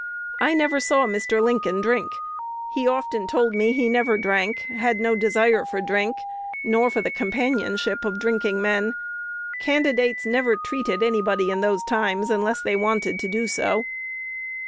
I never saw Mr. Lincoln drink. He often told me he never drank; had no desire for drink, nor the companionship of drinking men. Candidates never treated anybody in those times unless they wanted to do so.